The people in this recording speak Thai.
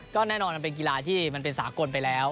ก็แน่นอนมันเป็นกีฬาที่มันเป็นสากลไปแล้ว